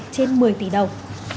trên một mươi tỷ đồng